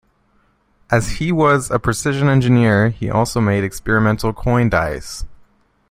As he was a precision engineer he also made experimental coin dies.